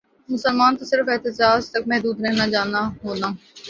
مسلمان تو صرف احتجاج تک محدود رہنا جانا ہونا